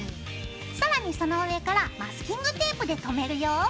更にその上からマスキングテープでとめるよ。